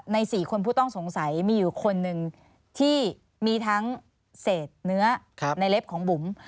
๔คนผู้ต้องสงสัยมีอยู่คนหนึ่งที่มีทั้งเศษเนื้อในเล็บของบุ๋ม